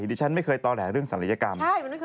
ดิฉันไม่เคยต่อแหล่เรื่องศัลยกรรม